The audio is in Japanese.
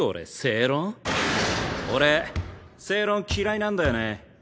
俺正論嫌いなんだよね。